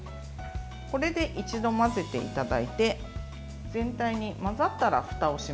これで一度混ぜていただいて全体に混ざったら、ふたをします。